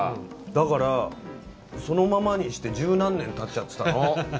だから、そのままにして１０何年たっちゃってたの。